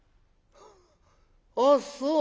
あっそう？